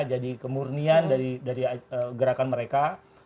jadi kemurnian dari gerakan mereka